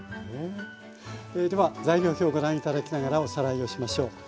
では材料表をご覧頂きながらおさらいをしましょう。